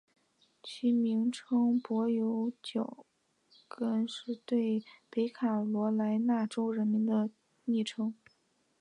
其名称柏油脚跟是对北卡罗来纳州人民的昵称。